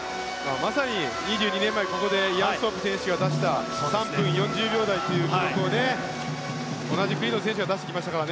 まさに２２年前、ここでイアン・ソープ選手が出した３分４０秒台というタイムを同じ国の選手が出しましたから。